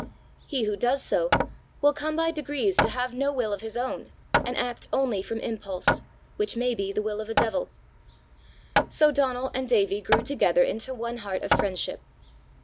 He who does so will come by degrees to have no will of his own, and act only from impulse which may be the will of a devil. So Donal and Davie grew together into one heart of friendship.